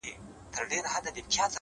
راسره جانانه _